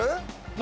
何？